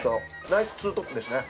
ナイスツートップですね。